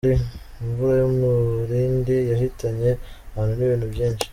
Imvura y’umurindi yahitanye abantu n’ibintu byinshi